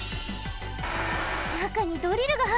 なかにドリルがはいってる！